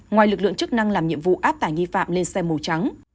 ngoài lực lượng chức năng làm nhiệm vụ áp tải nghi phạm lên xe màu trắng